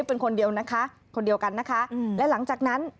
เป็นคนเดียวกันนะคะและหลังจากนั้น